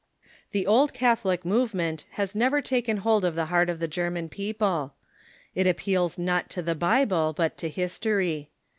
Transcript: The Old Catholic movement has never taken hold of the heart of the German people. It appeals not to the Bible, but ^^ to history.